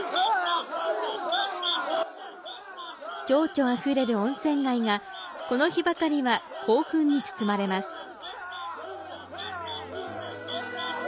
情緒あふれる温泉街が、この日ばかりは興奮に包まれます。